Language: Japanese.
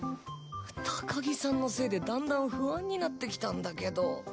高木さんのせいでだんだん不安になってきたんだけど。